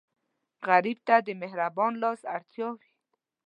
غریب ته د مهربان لاس اړتیا وي